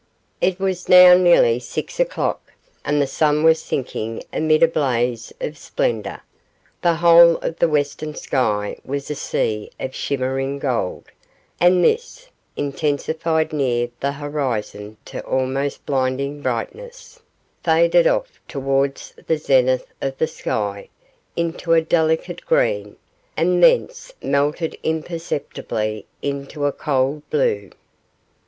It was now nearly six o'clock, and the sun was sinking amid a blaze of splendour. The whole of the western sky was a sea of shimmering gold, and this, intensified near the horizon to almost blinding brightness, faded off towards the zenith of the sky into a delicate green, and thence melted imperceptibly into a cold blue.